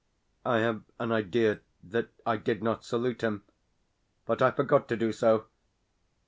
I have an idea that I did not salute him that I forgot to do so.